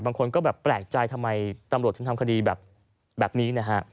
บางคนก็แบบแปลกใจทำไมตำรวจถึงทำคดีแบบนี้นะฮะ